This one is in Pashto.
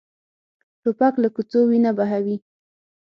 توپک له کوڅو وینه بهوي.